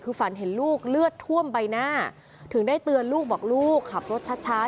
คือฝันเห็นลูกเลือดท่วมใบหน้าถึงได้เตือนลูกบอกลูกขับรถช้า